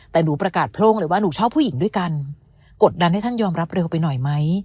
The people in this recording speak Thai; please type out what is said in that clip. แต่หนูประกาศโพร่งเลยว่าหนูชอบผู้หญิงด้วยกันกดดันให้ท่านยอมรับเร็วไปหน่อยไหม